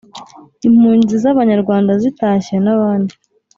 impunzi z Abanyarwanda zitashye n abandi